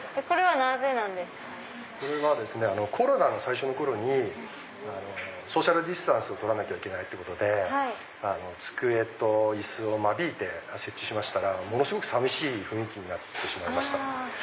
これはコロナの最初の頃にソーシャルディスタンスを取らなきゃいけないってことで机と椅子を間引いて設置しましたらものすごく寂しい雰囲気になってしまいました。